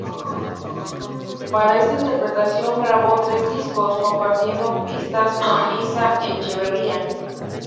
Para esta transmisión grabó tres discos, compartiendo pistas con Liza Echeverría.